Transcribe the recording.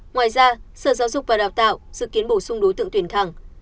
ngoài ra sở giáo dục và đào tạo dự kiến bổ sung đối tượng tuyển thẳng